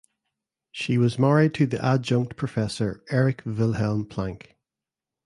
She was married to the adjunct professor Erik Wilhelm Planck.